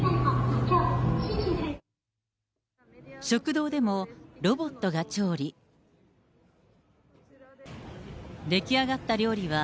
食堂でもロボットが調理。